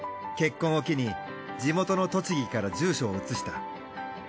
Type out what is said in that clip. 結婚を機に地元の栃木から住所を移した。